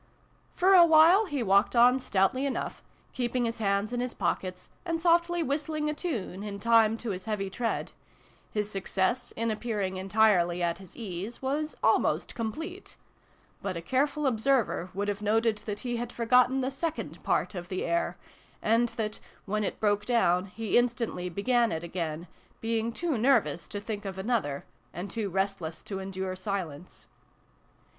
For a while he walked on stoutly enough, keeping his hands in his pockets, and softly whistling a tune, in time to his heavy tread : his success, in appearing entirely at his ease, was almost complete ; but a careful observer would have noted that he had forgotten the second part of the air, and that, when it broke down, he instantly began it. again, being too nervous to think of another, and too restless to endure silence.